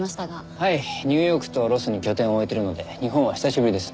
はいニューヨークとロスに拠点を置いてるので日本は久しぶりです。